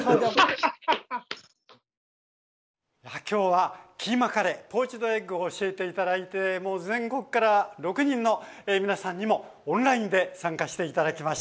今日はキーマカレーポーチドエッグを教えて頂いてもう全国から６人の皆さんにもオンラインで参加して頂きました。